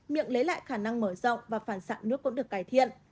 miệng lấy lại khả năng mở rộng và phản xạ nước cũng được cải thiện